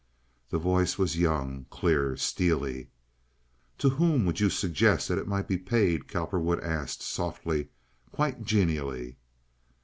The voice was young, clear, steely. "To whom would you suggest that it might be paid?" Cowperwood asked, softly, quite genially.